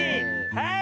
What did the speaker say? はい！